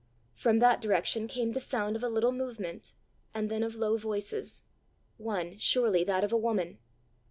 From that direction came the sound of a little movement, and then of low voices one surely that of a woman!